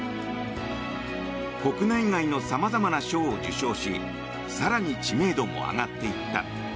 国内外のさまざまな賞を受賞し更に知名度も上がっていった。